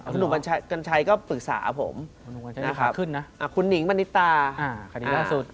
คุณหนุ่มกัญชัยก็ปรึกษาผมคุณหนิงบรรทิตราคณิชย์ล่าสุด